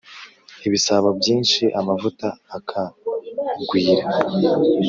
ibisabo byinshi amavuta akagwira